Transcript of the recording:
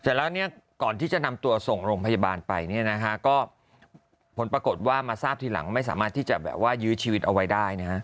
เสร็จแล้วก่อนที่จะนำตัวส่งลงพยาบาลไปผลปรากฏว่ามาทราบทีหลังไม่สามารถที่จะยื้อชีวิตเอาไว้ได้